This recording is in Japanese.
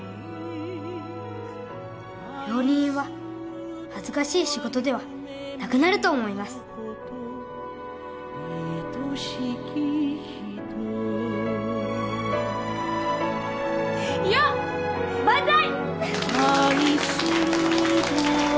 料理人は恥ずかしい仕事ではなくなると思いますいよッバンザイ！